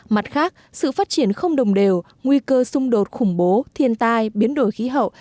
mặt khác sự phát triển không đồng đều nguy cơ xung đột khủng bố thiên tai biến đổi khí hậu